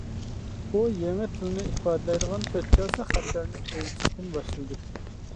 ئۇ يېڭى تىلنى ئىپادىلەيدىغان تۆت چاسا خەتلەرنى ئۆگىتىشتىن باشلىدى.